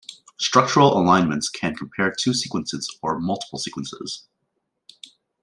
Structural alignments can compare two sequences or multiple sequences.